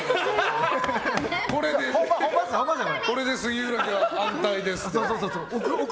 これで杉浦家は安泰ですみたいな。